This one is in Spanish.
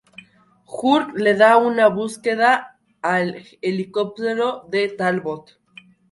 Hulk le da búsqueda al helicóptero de Talbot.